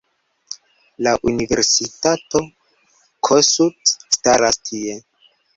La Universitato Kossuth staras tie.